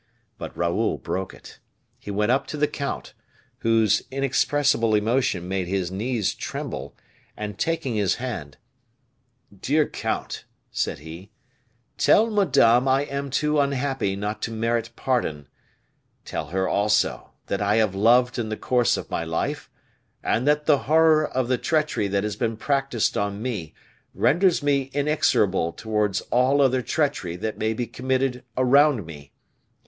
But Raoul broke it. He went up to the count, whose inexpressible emotion made his knees tremble, and taking his hand, "Dear count," said he, "tell Madame I am too unhappy not to merit pardon; tell her also that I have loved in the course of my life, and that the horror of the treachery that has been practiced on me renders me inexorable towards all other treachery that may be committed around me.